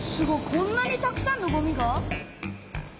こんなにたくさんのごみが？